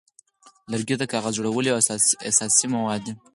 لرګی د کاغذ جوړولو یو اساسي مواد دی.